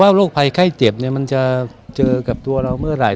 เราไม่รู้หากแก้เจ็บมันจะเจอกับตัวเราเมื่อไหร่